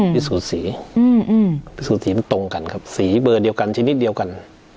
พิสูจน์สีพิสูสีมันตรงกันครับสีเบอร์เดียวกันชนิดเดียวกัน